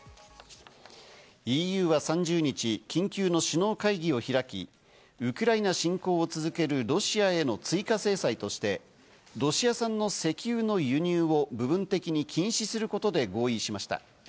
ＥＵは３０日、緊急の首脳会議を開き、ウクライナ侵攻を続けるロシアへの追加制裁として、ロシア産の石油の輸入を部分的に禁止することで合意しました。